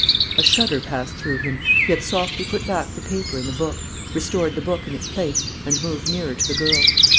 A shudder passed through him. He had softly put back the paper in the book, restored the book in its place, and moved nearer to the girl.